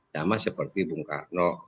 sama seperti bung karno